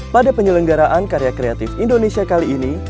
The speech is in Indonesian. pada penyelenggaraan karya kreatif indonesia kali ini